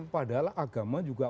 padahal agama juga